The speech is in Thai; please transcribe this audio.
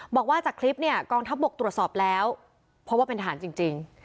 บอกว่าจากคลิปเนี่ยกองทัพบกตรวจสอบแล้วเพราะว่าเป็นทหารจริง